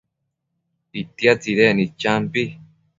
itia tsidecnid champi